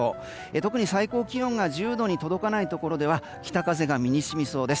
特に最高気温が１０度に届かないところでは北風が身にしみそうです。